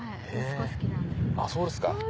あっそうですか。